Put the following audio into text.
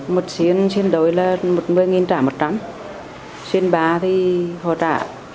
một chiến chiến đấu là một mươi trả một trăm linh chiến bá thì họ trả ba trăm năm mươi